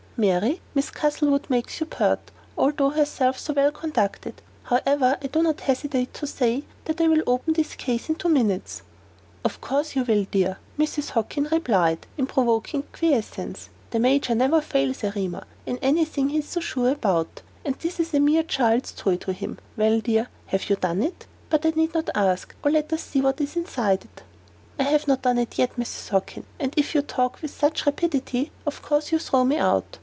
"Mary, Miss Castlewood makes you pert, although herself so well conducted. However, I do not hesitate to say that I will open this case in two minutes." "Of course you will, dear," Mrs. Hockin replied, with provoking acquiescence. "The Major never fails, Erema, in any thing he is so sure about; and this is a mere child's toy to him. Well, dear, have you done it? But I need not ask. Oh, let us see what is inside of it!" "I have not done it yet, Mrs. Hockin; and if you talk with such rapidity, of course you throw me out.